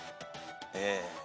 ええ。